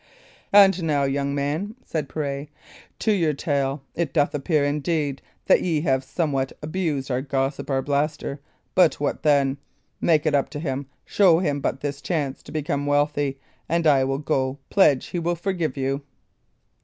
"And now, young man," said Pirret, "to your tale. It doth appear, indeed, that ye have somewhat abused our gossip Arblaster; but what then? Make it up to him show him but this chance to become wealthy and I will go pledge he will forgive you."